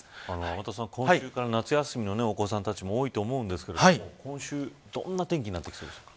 天達さん、今週から夏休みのお子さんたちも多いと思うんですが今週どんな天気なるでしょうか。